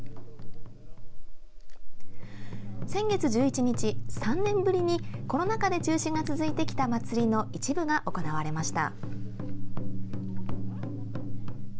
先月１１日、３年ぶりにコロナ禍で中止が続いてきた祭りの一部が行われました。